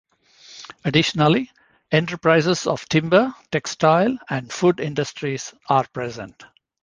Additionally, enterprises of timber, textile, and food industries are present.